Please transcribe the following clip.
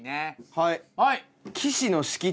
はい。